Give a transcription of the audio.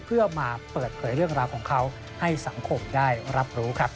เพื่อมาเปิดเผยเรื่องราวของเขาให้สังคมได้รับรู้ครับ